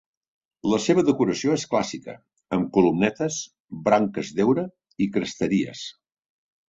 La seva decoració és clàssica, amb columnetes, branques d'heura i cresteries.